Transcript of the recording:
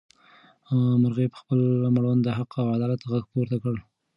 مرغۍ په خپل مړوند د حق او عدالت غږ پورته کړ.